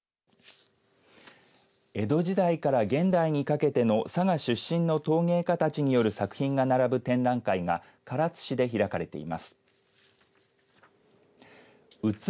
江戸時代から現代にかけての佐賀出身の陶芸家たちによる作品が並ぶ展覧会が唐津市で開かれています。